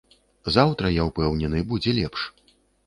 Заўтра, я ўпэўнены, будзе лепш.